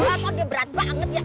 wah kok dia berat banget ya